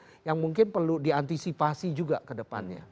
ini yang mungkin perlu diantisipasi juga ke depannya